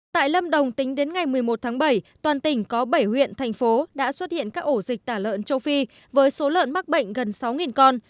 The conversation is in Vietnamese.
tại lâm đồng tính đến ngày một mươi một tháng bảy toàn tỉnh có bảy huyện thành phố đã xuất hiện các ổ dịch tả lợn châu phi với số lợn mắc bệnh gần sáu con